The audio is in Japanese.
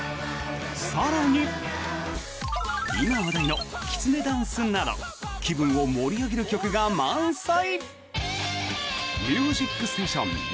更に、今話題のきつねダンスなど気分を盛り上げる曲が満載！